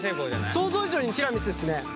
想像以上にティラミスですね。